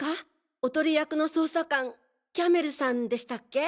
おとり役の捜査官キャメルさんでしたっけ？